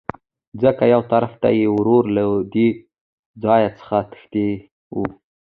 ځکه يوطرف ته يې ورور له دې ځاى څخه تښى وو.